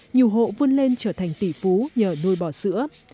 nhiều hộ vươn lên trở thành tỷ phú nhờ nuôi bò sữa